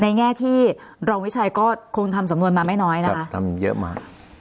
แง่ที่รองวิชัยก็คงทำสำนวนมาไม่น้อยนะคะทำเยอะมาก